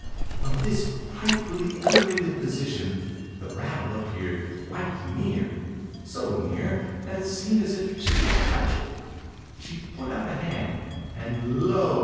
From this frightfully elevated position the rattle appeared quite near, so near that it seemed as if she could touch it. She put out a hand, and lo!